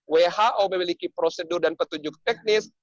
who memiliki prosedur dan petunjuk teknis